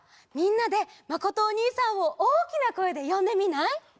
みんなでまことおにいさんをおおきなこえでよんでみない？